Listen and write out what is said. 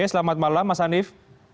selamat malam mas hanif